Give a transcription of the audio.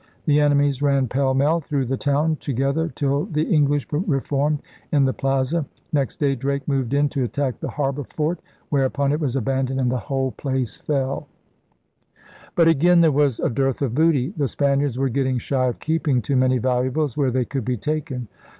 The enemies ran pell mell through the town to gether till the English reformed in the Plaza. Next day Drake moved in to attack the harbor fort; whereupon it was abandoned and the whole place fell. DRAKE CLIPS THE WINGS OF SPAIN 161 But again there was a dearth of booty. The Spaniards were getting shy of keeping too many valuables where they could be taken.